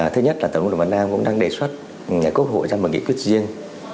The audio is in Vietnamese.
thứ nhất là tổng liên đoàn cũng đang đề xuất quốc hội ra một nghị quyết riêng